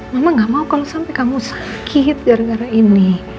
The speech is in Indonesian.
mama gak mau kalau sampai kamu sakit gara gara ini